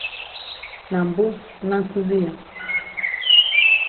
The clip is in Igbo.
Na mbụ na nkuzi ya